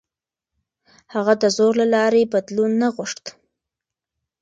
هغه د زور له لارې بدلون نه غوښت.